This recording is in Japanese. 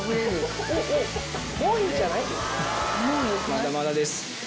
まだまだです。